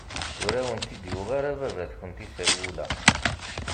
Ur awent-d-yuɣ ara baba-tkent iserwula.